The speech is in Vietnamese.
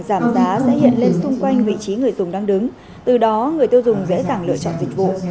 giảm giá sẽ hiện lên xung quanh vị trí người dùng đang đứng từ đó người tiêu dùng dễ dàng lựa chọn dịch vụ